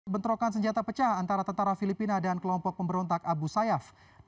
bentrokan senjata pecah antara tentara filipina dan kelompok pemberontak abu sayyaf